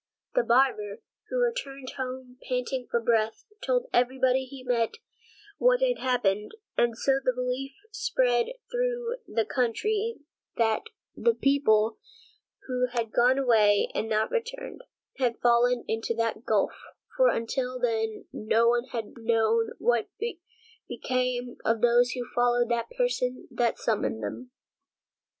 The barber, who returned home panting for breath, told everybody he met what had happened and so the belief spread through the country that the people, who had gone away and not returned, had fallen into that gulf, for until then no one had known what became of those who followed the person that summoned them.